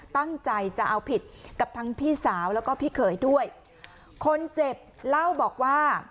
ตั้งใจจะเอาผิดกับทั้งพี่สาวแล้วก็พี่เขยด้วยคนเจ็บเล่าบอกว่า